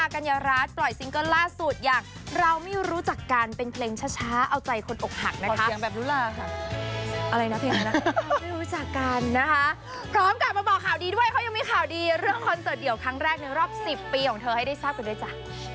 ขอบคุณทุกคนของเธอให้ได้ทราบกันด้วยจ๊ะ